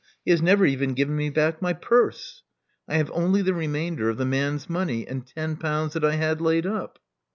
He has never even given me back my purse. I have only the remainder of the man's money, and ten pounds that I had laid up."